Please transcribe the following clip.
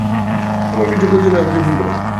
তোমার কিছু প্রয়োজন হলে আমাকে ফোন করো।